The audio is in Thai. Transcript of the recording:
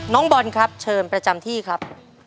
น้องบอลครับเชิญประจำที่ครับ